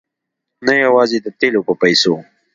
نه یوازې د تېلو په پیسو.